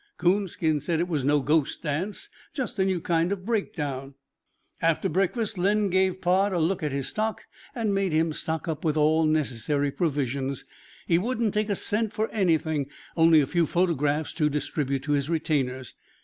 Coonskin said it was no ghost dance, just a new kind of breakdown. After breakfast, Len gave Pod a look at his stock and made him stock up with all necessary provisions. He wouldn't take a cent for anything, only a few photographs to distribute to his retainers.